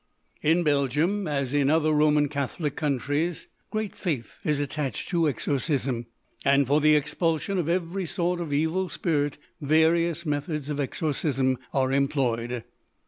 In Belgium, as in other Roman Catholic countries, great faith is attached to exorcism, and for the expulsion of every sort of "evil spirit" various methods of exorcism are employed.